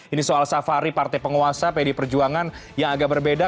ini soal safari partai penguasa pd perjuangan yang agak berbeda